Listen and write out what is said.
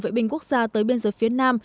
vệ binh quốc gia tới biên giới phía nam